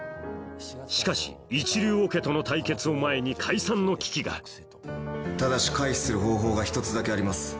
しかし一流オケとの対決を前に解散の危機がただし回避する方法が一つだけあります。